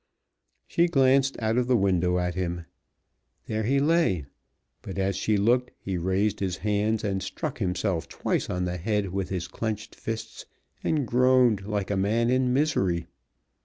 She glanced out of the window at him. There he lay, but as she looked he raised his hands and struck himself twice on the head with his clenched fists and groaned like a man in misery.